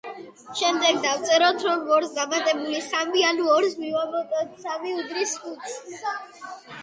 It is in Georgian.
შემდეგ დავწეროთ რომ ორს დამატებული სამი, ანუ ორს მივუმატოთ სამი უდრის ხუთს.